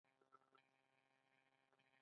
د ځوانانو د شخصي پرمختګ لپاره پکار ده چې هنر رسوي.